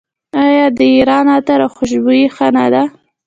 آیا د ایران عطر او خوشبویي ښه نه ده؟